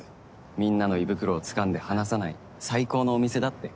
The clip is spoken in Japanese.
みんなの胃袋をつかんで離さない最高のお店だって。